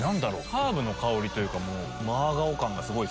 ハーブの香りというかマーガオ感がすごいっすね。